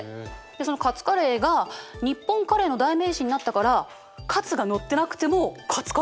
そのカツカレーが日本カレーの代名詞になったからカツが載ってなくてもカツカレーっていうんだって。